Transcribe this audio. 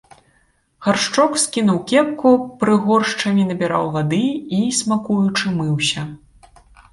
Гаршчок скінуў кепку, прыгоршчамі набіраў вады і, смакуючы, мыўся.